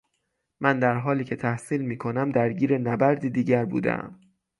من در حالی که تحصیل میکنم درگیر نبردی دیگر بودهام